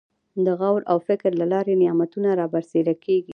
د غور او فکر له لارې نعمتونه رابرسېره کېږي.